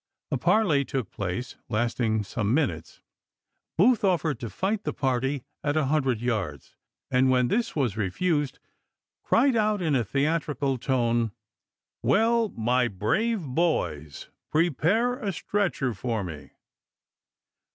A parley took place, lasting some minutes. Booth offered to fight the party at a hundred yards, and when this was refused cried out in a theatrical tone, " Well, my brave boys, prepare a stretcher for me."